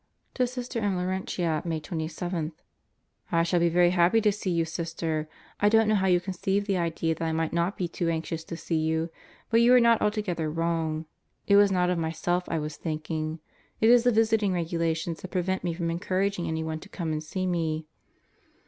To Sister M. Laurentia, May 27: I shall be very happy to see you, Sister. I don't know how you conceived the idea that I might not be too anxious to see you, but you were not altogether wrong. It was not of myself I was thinking; it is the visiting regulations that prevent me from encouraging anyone to come and see me.